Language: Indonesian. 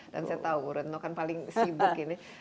dan saya tahu renno kan paling sibuk ini